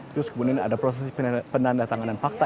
terus kemudian ada proses penandatanganan fakta